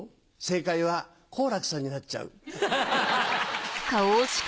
正解は好楽さんになっちゃう。